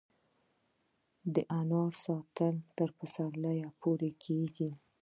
د انارو ساتل تر پسرلي پورې کیږي؟